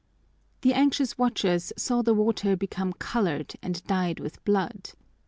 The anxious watchers saw the water become colored and dyed with blood.